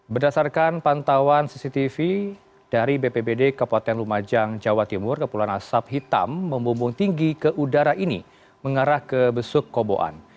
berdasarkan pantauan cctv dari bpbd kabupaten lumajang jawa timur kepulan asap hitam membumbung tinggi ke udara ini mengarah ke besuk koboan